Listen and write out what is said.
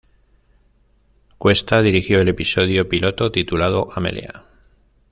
Cuesta dirigió el episodio piloto titulado Amelia.